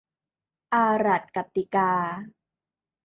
อาหรัดกัดติกา